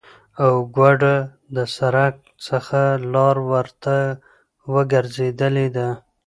او گوډه د سرک څخه لار ورته ورگرځیدلې ده،